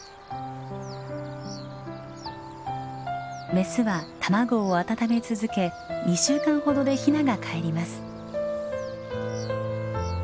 メスは卵を温め続け２週間ほどでヒナがかえります。